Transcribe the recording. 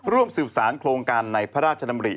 ร่วมสืบสารโครงการในพระราชดำริ